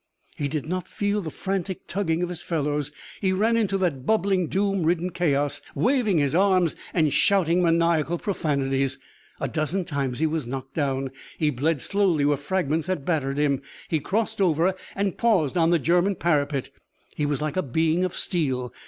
He did not feel the frantic tugging of his fellows. He ran into that bubbling, doom ridden chaos, waving his arms and shouting maniacal profanities. A dozen times he was knocked down. He bled slowly where fragments had battered him. He crossed over and paused on the German parapet. He was like a being of steel.